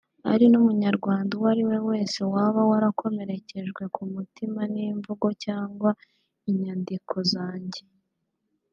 ari n’Umunyarwanda uwari we wese waba warakomerekejwe ku mutima n’imvugo cyangwa inyandiko zanjye